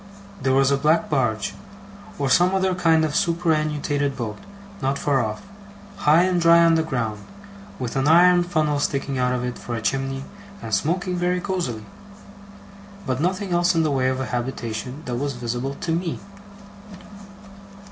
There was a black barge, or some other kind of superannuated boat, not far off, high and dry on the ground, with an iron funnel sticking out of it for a chimney and smoking very cosily; but nothing else in the way of a habitation that was visible to me.